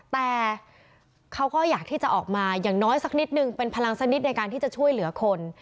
แต่เขาก็อยากที่จะออกมาอย่างน้อยสักนิดนึงเป็นพลังสักนิดในการที่จะช่วยเหลือคน